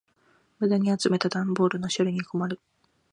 無駄に集めた段ボールの処理に困る。